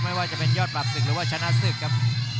ไม่ว่าจะเป็นยอดปรับศึกหรือว่าชนะศึกครับ